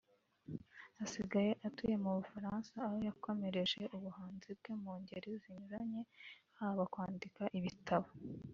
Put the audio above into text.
asigaye atuye mu Bufaransa aho yakomereje ubuhanzi bwe mu ngeri zinyuranye haba kwandika ibitabo